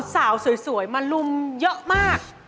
สาวสวยมาลุมเยอะมาก